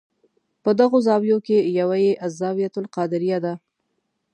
په دغو زاویو کې یوه یې الزاویة القادربه ده.